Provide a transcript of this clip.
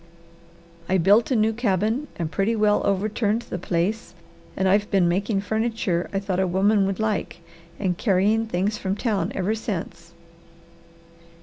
"I built a new cabin and pretty well overturned the place and I've been making furniture I thought a woman would like, and carrying things from town ever since."